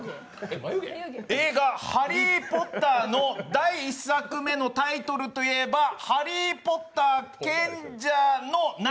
映画「ハリー・ポッター」の第１作目のタイトルといえばハリー・ポッター賢者の何？